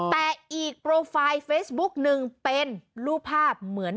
แต่อีกโปรไฟล์เฟซบุ๊กนึงเป็นรูปภาพ